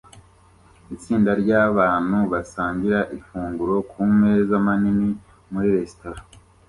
Itsinda ryabantu basangira ifunguro kumeza manini muri resitora